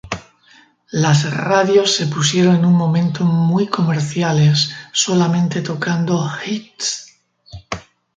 Las radios se pusieron en un momento muy comerciales, solamente tocando hits.